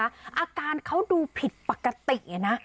อาการเขาดูผิดปกตินะ